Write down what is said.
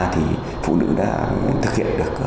thì phụ nữ đã thực hiện